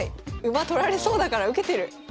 馬取られそうだから受けてる。